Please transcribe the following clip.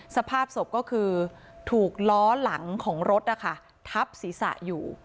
สภาพศพก็คือถูกล้อหลังของรถนะคะทับศีรษะอยู่